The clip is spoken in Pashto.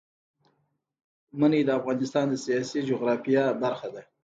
منی د افغانستان د سیاسي جغرافیه برخه ده.